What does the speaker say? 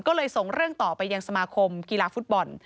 ก็เลยส่งเรื่องต่อไปยังสมาคมกีฬาฟุตบอล